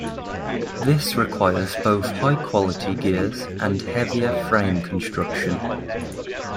This requires both high quality gears and heavier frame construction.